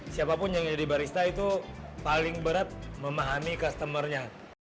siapapun yang jadi barista itu paling berat memahami customer nya